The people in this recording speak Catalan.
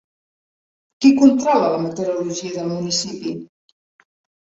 Qui controla la meteorologia del municipi?